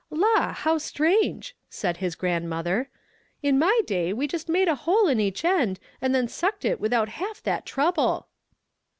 "La! how strange!" said his grandmother; "in my day we just made a hole in each end, and then sucked it without half that trouble."